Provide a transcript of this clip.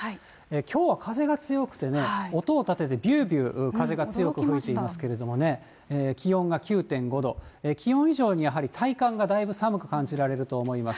きょうは風が強くてね、音を立ててびゅーびゅー風が強く吹いていますけれどもね、気温が９．５度、気温以上にやはり体感がだいぶ寒く感じられると思います。